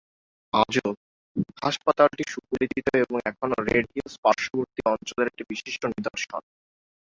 আজও, হাসপাতালটি সুপরিচিত এবং এখনও রেড হিলস পার্শ্ববর্তী অঞ্চলের একটি বিশিষ্ট নিদর্শন।